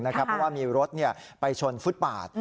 เพราะว่ามีรถไปชนฟุตปาด